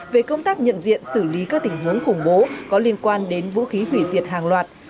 về công tác nhận diện xử lý các tình huống khủng bố có liên quan đến vũ khí hủy diệt hàng loạt